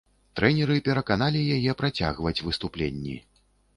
Трэнеры пераканалі яе працягваць выступленні.